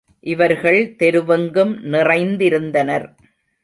இவர்கள் தெருவெங்கும் நிறைந்திருந்தனர்.